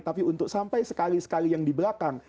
tapi untuk sampai sekali sekali yang di belakang